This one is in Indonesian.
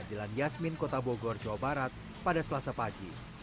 jalan yasmin kota bogor jawa barat pada selasa pagi